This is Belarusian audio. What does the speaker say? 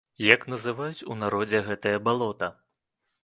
Як называюць у народзе гэтае балота?